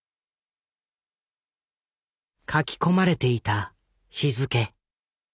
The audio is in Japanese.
書き込まれていた日付。